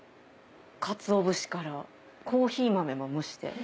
かつお節から珈琲豆も蒸して。